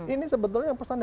ini sebetulnya yang pesannya